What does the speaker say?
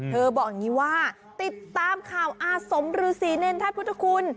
บอกอย่างนี้ว่าติดตามข่าวอาสมฤษีเนรธาตุพุทธคุณ